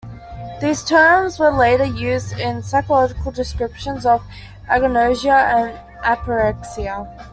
These terms were later used in psychological descriptions of agnosia and apraxia.